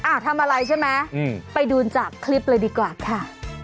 ทำอะไรใช่ไหมไปดูจากคลิปเลยดีกว่าค่ะ